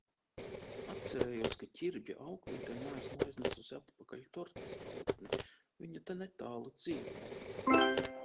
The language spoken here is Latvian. Atcerējos, ka Ķirbja auklītei neesmu aiznesusi atpakaļ tortes paliktni. Viņa te netālu dzīvo.